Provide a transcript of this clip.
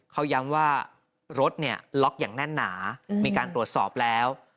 เขาย้ำว่ารถเนี่ยล็อกอย่างแน่นหนามีการตรวจสอบแล้ว